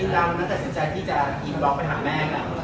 มินดาวน์มันตัดสินใจที่จะอีกบล็อกไปหาแม่กัน